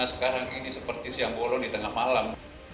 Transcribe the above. sekarang ini seperti siang bolong di tengah malam